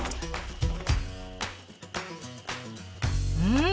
うん！